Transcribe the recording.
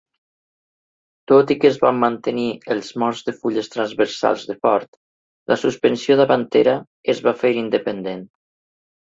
Tot i que es van mantenir els molls de fulles transversals de Ford, la suspensió davantera es va fer independent.